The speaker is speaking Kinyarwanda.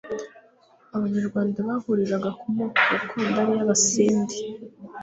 Abanyarwanda bahuriraga ku moko gakondo ariyo abasindi